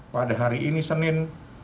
pada hari ini senin